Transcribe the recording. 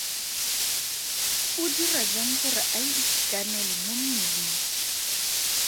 O dira jang gore a itekanele mo mmeleng?